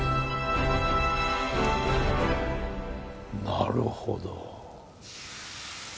なるほど。